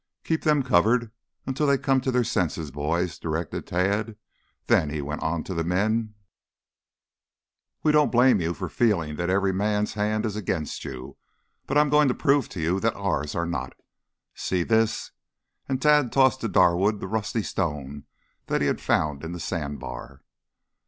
"Keep them covered until they come to their senses, boys," directed Tad. Then he went on to the men: "We don't blame you for feeling that every man's hand is against you; but I'm going to prove to you that ours are not. See this?" and Tad tossed to Darwood the rusty stone that he had found in the sand bar.